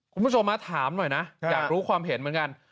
คุณผู้ชมมาถามหน่อยนะอยากรู้ความเห็นเหมือนกัน